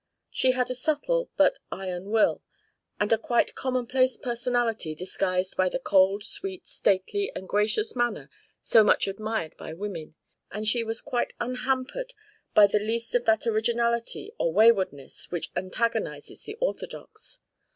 She had a subtle but iron will, and a quite commonplace personality disguised by the cold, sweet, stately and gracious manner so much admired by women; and she was quite unhampered by the least of that originality or waywardness which antagonises the orthodox.